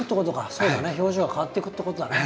そうだね表情が変わっていくってことだね。